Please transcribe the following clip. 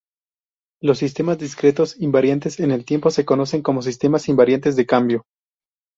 Los sistemas discretos invariantes en el tiempo se conocen como sistemas invariantes de cambio.